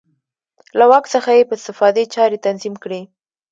له واک څخه یې په استفادې چارې تنظیم کړې.